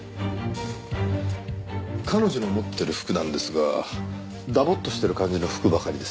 彼女の持ってる服なんですがダボッとしてる感じの服ばかりです。